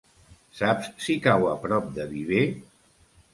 Saps si cau a prop de Viver?